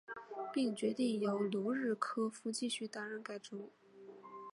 并决定由卢日科夫继续担任该职务。